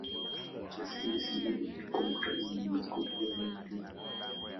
Kiasili sinodi ilikuwa mkutano wa maaskofu wa eneo fulani.